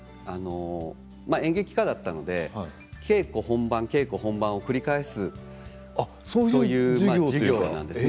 演技科だったので稽古本番稽古本番を繰り返すという授業なんです。